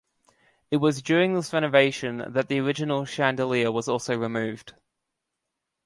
It was during this renovation that the original chandelier was also removed.